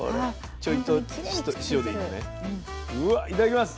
うわっいただきます。